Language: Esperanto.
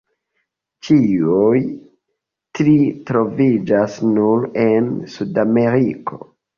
Ĉiuj tri troviĝas nur en Sudameriko.